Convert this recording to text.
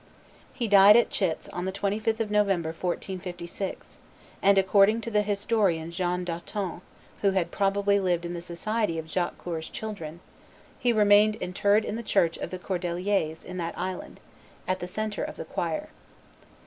He died at Chits on the 25th of November, 1456, and, according to the historian John d'Auton, who had probably lived in the society of Jacques Coeur's children, "he remained interred in the church of the Cordeliers in that island, at the centre of the choir."